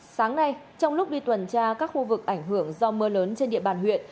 sáng nay trong lúc đi tuần tra các khu vực ảnh hưởng do mưa lớn trên địa bàn huyện